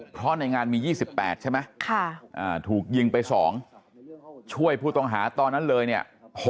เพราะในงานมี๒๘ใช่ไหมถูกยิงไป๒ช่วยผู้ต้องหาตอนนั้นเลยเนี่ย